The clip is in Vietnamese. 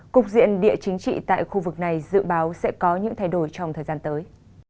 cục diện địa chính trị tại khu vực này dự báo sẽ có những thay đổi trong thời gian tới